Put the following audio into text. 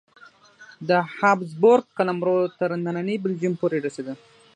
د هابسبورګ قلمرو تر ننني بلجیم پورې رسېده.